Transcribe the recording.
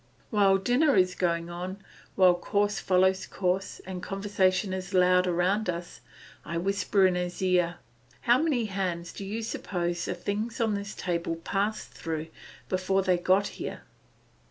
While dinner is going on, while course follows course, and conversation is loud around us, I whisper in his ear, "How many hands do you suppose the things on this table passed through before they got here?"